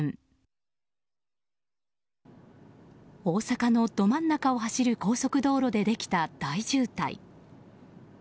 大阪のど真ん中を走る高速道路でできた大渋滞。